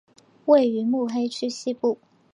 位于目黑区西部。